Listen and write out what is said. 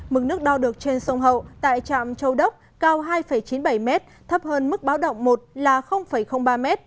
mực nước đo được trên sông hậu tại trạm châu đốc cao hai chín mươi bảy m thấp hơn mức báo động một là ba m